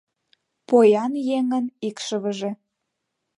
Поян еҥын икшывыже...